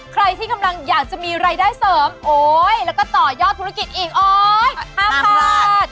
ใครที่กำลังอยากจะมีรายได้เสริมโอ๊ยแล้วก็ต่อยอดธุรกิจอีกโอ๊ย๕๐๐บาท